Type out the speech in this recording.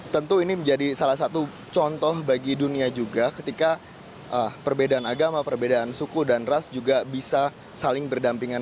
tentu ini menjadi salah satu contoh bagi dunia juga ketika perbedaan agama perbedaan suku dan ras juga bisa saling berdampingan